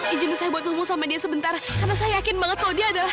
izin saya buat ilmu sama dia sebentar karena saya yakin banget kalau dia adalah